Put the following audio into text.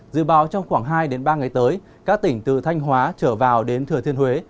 dự báo trong khoảng hai ba ngày tới các tỉnh từ thanh hóa trở vào đến thừa thiên huế